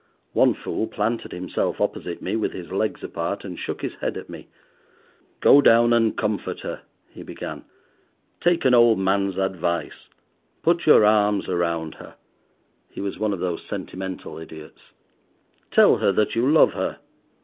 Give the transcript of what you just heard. One fool planted himself opposite me with his legs apart, and shook his head at me. "Go down and comfort her," he began. "Take an old man's advice. Put your arms around her." (He was one of those sentimental idiots.) "Tell her that you love her."